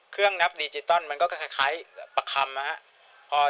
นับดิจิตอลมันก็คล้ายประคำนะครับ